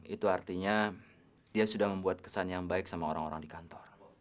itu artinya dia sudah membuat kesan yang baik sama orang orang di kantor